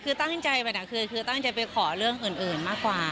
คือตั้งใจไปนะคือตั้งใจไปขอเรื่องอื่นมากกว่า